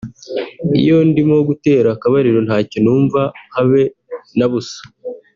Iyo ndimo gutera akabariro ntacyo numva habe na busa